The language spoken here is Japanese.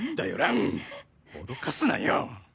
蘭おどかすなよ。